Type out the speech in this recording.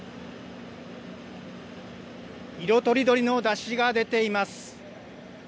色とりどりの山車が出ています。